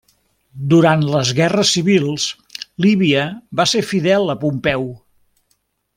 Durant les Guerres Civils, Líbia va ser fidel a Pompeu.